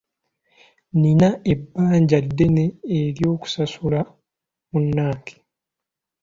Nina ebbanja ddene oly'okusasulira munnange.